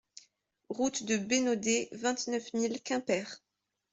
Route de Bénodet, vingt-neuf mille Quimper